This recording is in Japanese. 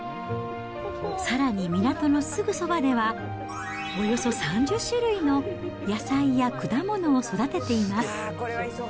さらに港のすぐそばでは、およそ３０種類の野菜や果物を育てています。